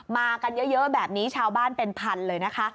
มากันเยอะแบบนี้ชาวบ้านเป็นพันเลยนะคะ